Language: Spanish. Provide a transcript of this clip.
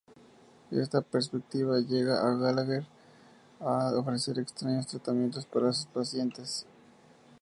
Esta perspectiva lleva a Gallagher a ofrecer extraños tratamientos para sus pacientes.